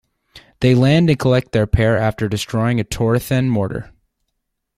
They land and collect the pair after destroying a Torothan mortar.